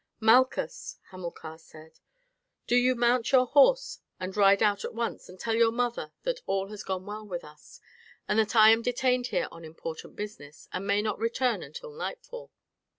"Malchus," Hamilcar said, "do you mount your horse and ride out at once and tell your mother that all has gone well with us, but that I am detained here on important business, and may not return until nightfall."